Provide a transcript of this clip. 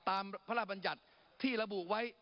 ตามพระราชบัญญัติที่ระบุไว้